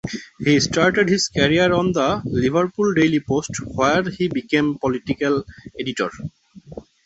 He started his career on the "Liverpool Daily Post" where he became Political Editor.